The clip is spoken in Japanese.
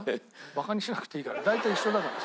バカにしなくていいから。大体一緒だから。